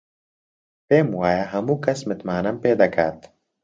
پێم وایە هەموو کەس متمانەم پێ دەکات.